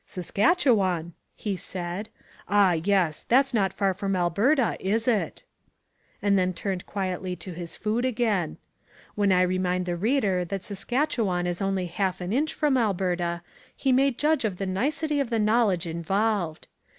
"Saskatchewan," he said, "ah, yes; that's not far from Alberta, is it?" and then turned quietly to his food again. When I remind the reader that Saskatchewan is only half an inch from Alberta he may judge of the nicety of the knowledge involved.